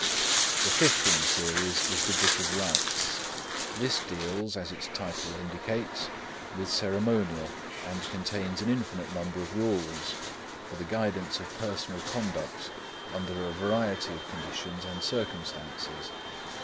The fifth in the series is the Book of Rites. This deals, as its title indicates, with ceremonial, and contains an infinite number of rules for the guidance of personal conduct under a variety of conditions and circumstances.